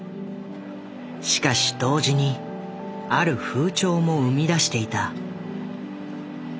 しかし同時にある風潮も生み出していた。